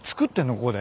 ここで。